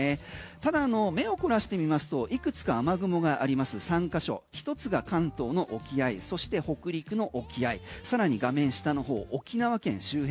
ただ目を凝らして見ますといくつか雨雲があります、３ヶ所一つが関東の沖合そして北陸の沖合更に画面下の方、沖縄県周辺